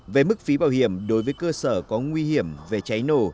về mức phí bảo hiểm đối với cơ sở có nguy hiểm về cháy nổ